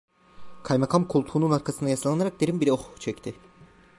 Kaymakam koltuğunun arkasına yaslanarak derin bir oh çekti.